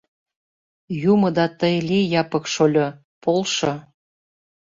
Юмо да тый лий, Япык шольо, полшо.